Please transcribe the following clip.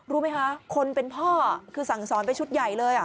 รู้ไหมคะคนเป็นพ่อคือสั่งสอนไปชุดใหญ่เลย